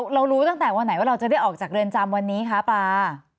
เรารู้ตั้งแต่วันไหนว่าเราจะได้ออกจากเรือนจำวันนี้คะปลา